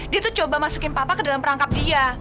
dia tuh coba masukin papa ke dalam perangkap dia